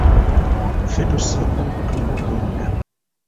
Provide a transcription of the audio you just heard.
Ffe tusinga obuto mu kulonda.